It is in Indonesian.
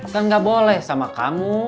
kan gak boleh sama kamu